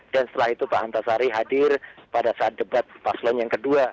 dan setelah itu pak antasari hadir pada saat debat paslon yang kedua